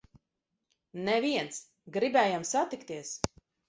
Neviens! Gribējām satikties!